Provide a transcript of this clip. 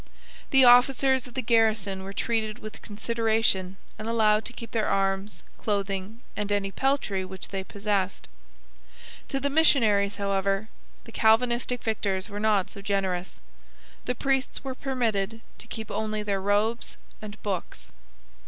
The officers of the garrison were treated with consideration and allowed to keep their arms, clothing, and any peltry which they possessed. To the missionaries, however, the Calvinistic victors were not so generous. The priests were permitted to keep only their robes and books.